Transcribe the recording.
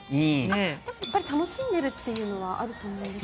でもやっぱり楽しんでいるというのはあると思うんですけど。